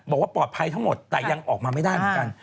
บอกว่าปลอดภัยทั้งหมดแต่ยังออกมาไม่ได้เหมือนกัน